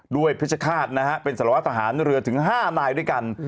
ด้วยพิชฆาตนะครับเป็นสลวะทหารเรือถึง๕นายด้วยกัน